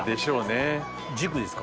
軸ですか？